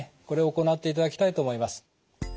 これを行っていただきたいと思います。